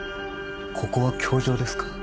ここは教場ですか？